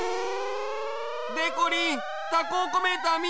でこりんタコおこメーターみて！